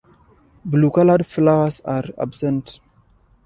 Blue-coloured flowers are absent.